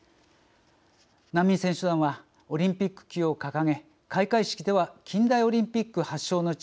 難民選手団はオリンピック旗を掲げ開会式では近代オリンピック発祥の地